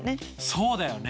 そうだよね。